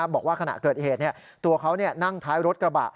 บอกว่าขณะเกิดเหตุตัวเขานั่งท้ายรถกระบะ